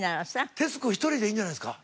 徹子１人でいいんじゃないですか？